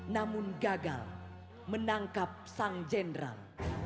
namun gagal menangkap sang jenderal